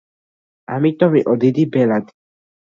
ამიტომ იყო დიდი ბელადი.